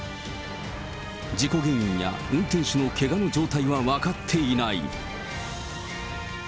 事故原因や運転手のけがの状態は分かっていない。